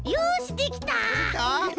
できた？